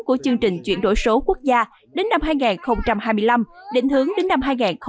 của chương trình chuyển đổi số quốc gia đến năm hai nghìn hai mươi năm định hướng đến năm hai nghìn ba mươi